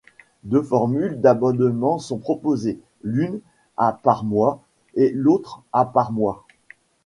Deux formules d'abonnement sont proposées, l'une à par mois et l'autre à par mois.